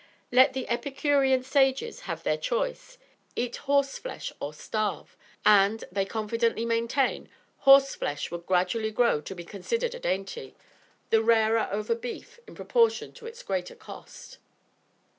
Let the epicurean sages have their choice, eat horse flesh or starve, and, they confidently maintain, horse flesh would gradually grow to be considered a dainty, the rarer over beef, in proportion to its greater cost.